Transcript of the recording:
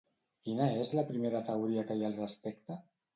Quina és la primera teoria que hi ha al respecte?